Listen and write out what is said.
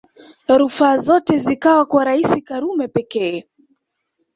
Rufaa zote zikawa kwa Rais Karume pekee